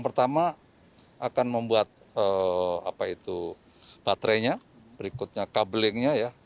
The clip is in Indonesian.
pertama akan membuat baterainya berikutnya cablingnya